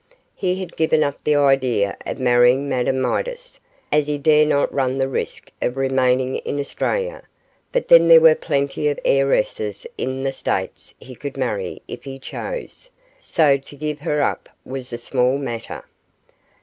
He had given up the idea of marrying Madame Midas, as he dare not run the risk of remaining in Australia, but then there were plenty of heiresses in the States he could marry if he chose, so to give her up was a small matter.